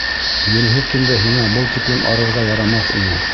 Елһеҙ төндә һиңә был тиклем арырға ярамаҫ ине.